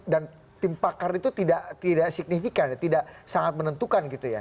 dan tim pakar itu tidak signifikan tidak sangat menentukan gitu ya